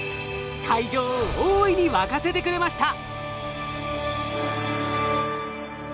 会場を大いに沸かせてくれました。